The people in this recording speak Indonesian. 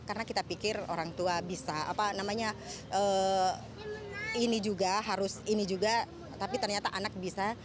karena kita pikir orang tua bisa ini juga harus ini juga tapi ternyata anak bisa